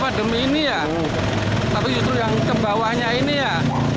pademi ini ya tapi itu yang ke bawahnya ini ya